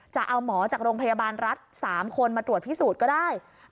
จะเอาหมอจากโรงพยาบาลรัฐ๓คนมาตรวจพิสูจน์ก็ได้